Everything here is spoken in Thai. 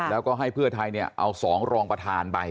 แล้วก็ให้เพื่อไทยเอา๒รองประธานไป